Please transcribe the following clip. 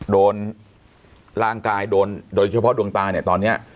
โดนร่างกายโดนโดยเฉพาะดวงตาเนี่ยตอนนี้